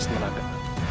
tidak ada layak